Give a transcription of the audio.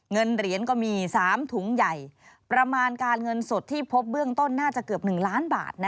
เงินเหรียญก็มี๓ถุงใหญ่ประมาณการเงินสดที่พบเบื้องต้นน่าจะเกือบ๑ล้านบาท